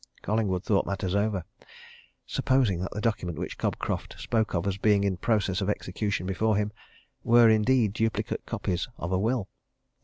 Collingwood thought matters over. Supposing that the document which Cobcroft spoke of as being in process of execution before him were indeed duplicate copies of a will.